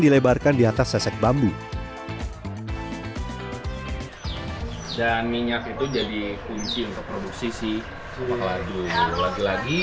dilebarkan di atas sesek bambu dan minyak itu jadi kunci untuk produksi si maladu lagi lagi